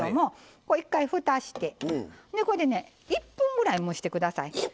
一回ふたして、これで１分ぐらい蒸してください。